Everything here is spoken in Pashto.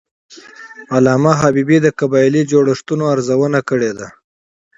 علامه حبیبي د قبایلي جوړښتونو ارزونه کړې ده.